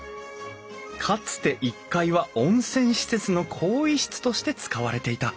かつて１階は温泉施設の更衣室として使われていた。